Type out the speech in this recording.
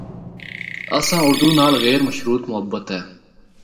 اساں اُردو نال غیر مشروط محبت اے۔